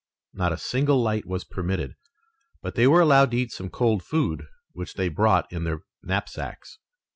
Not a single light was permitted, but they were allowed to eat some cold food, which they brought in their knapsacks.